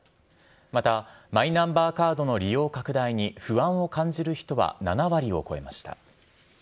またマイナンバーカードの利用拡大に不安を感じる人は７割を超えました。